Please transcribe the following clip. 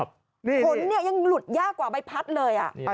ขนเนี่ยยังหลุดยากกว่าใบพัดเลยอะ